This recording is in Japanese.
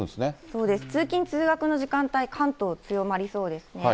そうです、通勤・通学の時間帯、関東強まりそうですね。